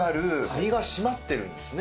身が締まってるんですね。